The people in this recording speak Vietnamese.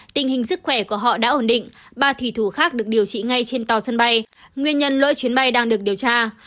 tình hình sức khỏe của họ đã ổn định ba thủy thủ khác được điều trị ngay trên tòa sân bay nguyên nhân lỗi chuyến bay đang được điều tra